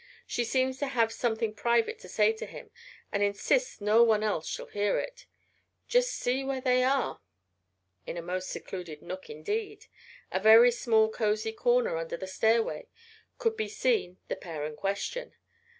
"She seems to have something private to say to him and insists no one else shall hear it. Just see where they are." In a most secluded nook indeed, a very small cozy corner under the stairway, could be seen the pair in question.